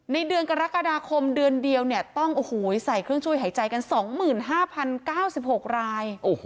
เดือนกรกฎาคมเดือนเดียวต้องใส่เครื่องช่วยหายใจกัน๒๕๐๙๖ราย